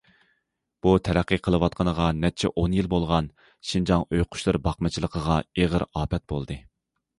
بۇ تەرەققىي قىلىۋاتقىنىغا نەچچە ئون يىل بولغان شىنجاڭ ئۆي قۇشلىرى باقمىچىلىقىغا ئېغىر ئاپەت بولدى.